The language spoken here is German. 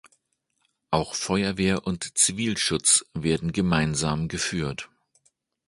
Auch Feuerwehr und Zivilschutz werden gemeinsam geführt.